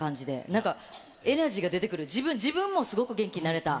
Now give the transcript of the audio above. なんか、エナジーが出てくる、自分もすごく元気になれた。